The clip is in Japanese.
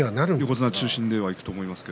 横綱中心になると思いますが。